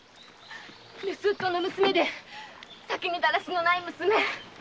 盗っ人の娘で酒にだらしのない娘！